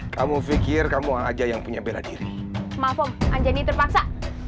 kamu pikir kamu aja yang punya bela diri maaf om anjani terpaksa